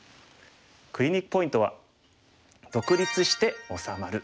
クリニックポイントは。